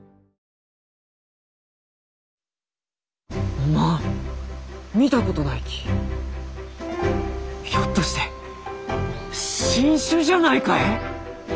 「おまんみたことないきひょっとして新種じゃないかえ？」。